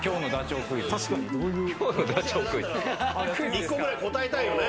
１個ぐらい答えたいよね。